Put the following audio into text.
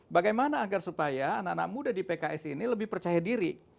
bagaimana agar supaya anak anak muda di pks ini lebih percaya diri